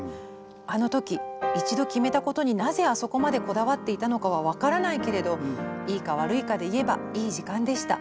あの時一度決めたことになぜあそこまでこだわっていたのかは分からないけれどいいか悪いかで言えばいい時間でした。